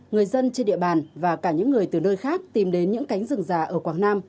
người dân trên địa bàn và cả những người từ nơi khác tìm đến những cánh rừng già ở quảng nam